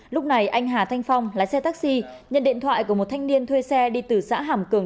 lúc này anh hà thanh phong lái xe taxi nhận điện thoại của một thanh niên thuê xe đi từ xã hàm cường